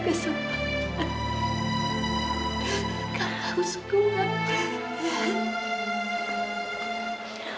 kau harus kuat huhhh